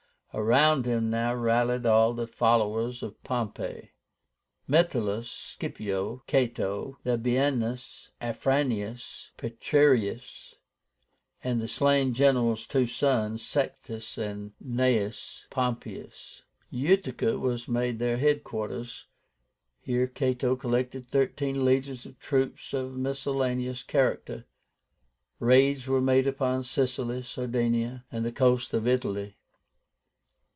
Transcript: Around him now rallied all the followers of Pompey, Metellus Scipio, Cato, Labiénus, Afranius, Petreius, and the slain general's two sons, Sextus and Gnaeus Pompeius. Utica was made their head quarters. Here Cato collected thirteen legions of troops of miscellaneous character. Raids were made upon Sicily, Sardinia, and the coasts of Italy.